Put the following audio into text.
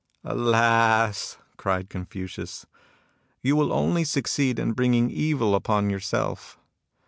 " Alas !" cried Confucius, " you will only succeed in bringing evil upon yourself.